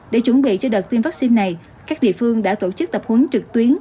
để chuẩn bị cho đợt tiêm vaccine này các địa phương đã tổ chức tập huấn trực tuyến